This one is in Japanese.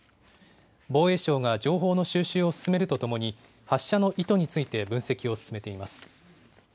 防衛省が情報の収集を進めるとともに、発射の意図について分析を進めています。